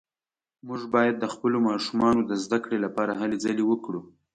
موږ باید د خپلو ماشومانو د زده کړې لپاره هلې ځلې وکړو